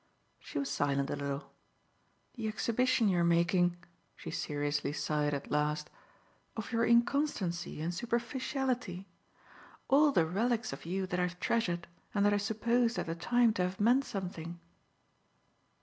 She was silent a little. "The exhibition you're making," she seriously sighed at last, "of your inconstancy and superficiality! All the relics of you that I've treasured and that I supposed at the time to have meant something!"